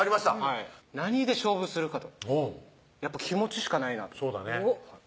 何で勝負するかとやっぱ気持ちしかないなそうだね